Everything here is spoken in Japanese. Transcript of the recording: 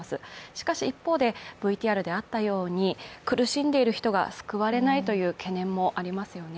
しかし一方で、ＶＴＲであったように、苦しんでいる人が救われないという懸念もありますよね。